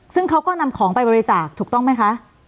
ซึ่งเขาก็นำของไปบริจาคถูกต้องไหมคะ